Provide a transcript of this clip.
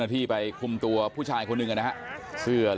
คุณตำรวจครับนี่ออกมาใจเย็นพี่เขาพี่เขา